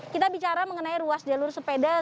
kita bicara mengenai ruas jalur sepeda